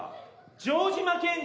城島健二。